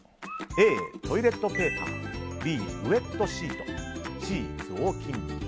Ａ、トイレットペーパーＢ、ウェットシートＣ、雑巾。